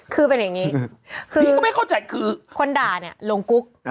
คือเป็นอย่างงี้คนด่าเนี่ยรงกุ๊ก